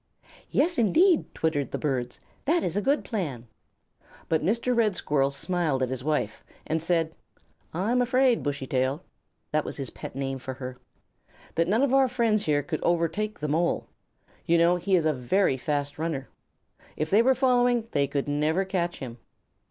"Yes indeed," twittered the birds; "that is a good plan." But Mr. Red Squirrel smiled at his wife and said: "I am afraid, Bushy tail (that was his pet name for her) that none of our friends here could overtake the Mole. You know he is a very fast runner. If they were following they could never catch him."